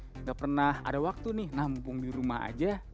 tidak pernah ada waktu nih nampung di rumah aja